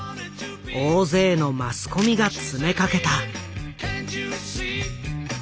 大勢のマスコミが詰めかけた。